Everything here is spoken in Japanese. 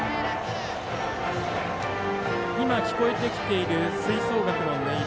聞こえてきている吹奏楽の音色